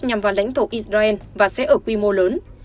nhằm vào lãnh thổ israel và sẽ ở quy mô lớn